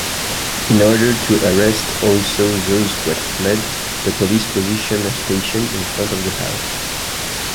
In order to arrest also those who had fled, the police positioned a station in front of the house.